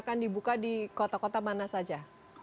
apa yang akan dibuka di kota kota mana saja